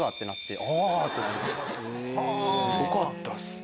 よかったっすね。